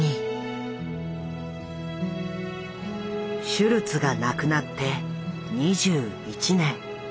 シュルツが亡くなって２１年。